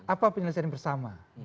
apa penyelesaian bersama